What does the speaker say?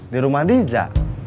di rumah dija